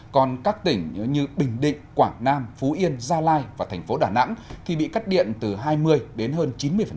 còn các tỉnh như bình định quảng nam phú yên gia lai và thành phố đà nẵng thì bị cắt điện từ hai mươi đến hơn chín mươi